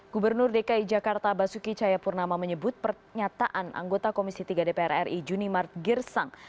gubernur dki jakarta basuki cayapurnama menyebut pernyataan anggota komisi tiga dpr ri juni mart girsang